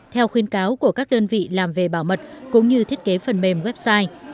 theo khuyên cáo của các đơn vị làm về bảo mật cũng như thiết kế phần mềm website